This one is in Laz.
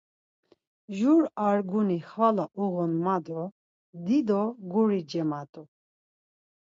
Jur arguni xvala uğun ma do dido guri cemat̆u.